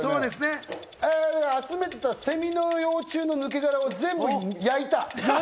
集めてたセミの幼虫の抜け殻を全部焼いた。